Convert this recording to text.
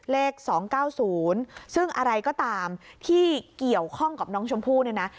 เลข๒๙๐ซึ่งอะไรก็ตามที่เกี่ยวข้องกับน้องชมพู่เนี่ยนะ